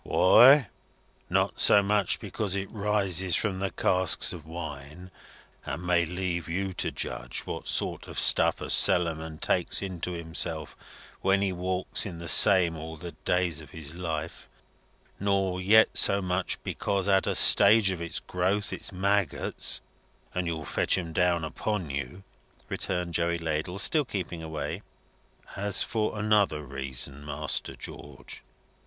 "Why, not so much because it rises from the casks of wine, and may leave you to judge what sort of stuff a Cellarman takes into himself when he walks in the same all the days of his life, nor yet so much because at a stage of its growth it's maggots, and you'll fetch 'em down upon you," returned Joey Ladle, still keeping away, "as for another reason, Master George."